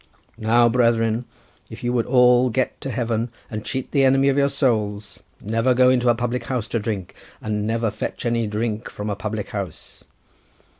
Now, brethren, if you would all get to heaven, and cheat the enemy of your souls, never go into a public house to drink, and never fetch any drink from a public house.